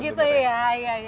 oh gitu ya